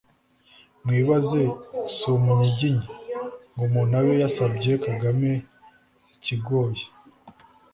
( mwibaze si umunyiginya ngo umuntu abe yasabye kagame ikigoye)